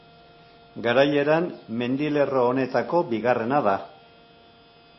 Garaieran, mendilerro honetako bigarrena da.